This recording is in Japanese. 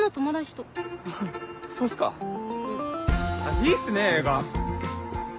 いいっすね映画。